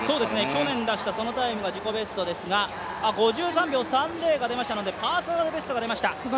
去年出したそのタイムが自己ベストですが、５３秒３０が出ましたのでパーソナルベストが出ました。